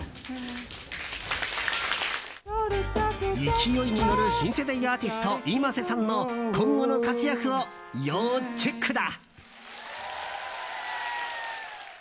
勢いに乗る新世代アーティストｉｍａｓｅさんの今後の活躍を要チェックだ。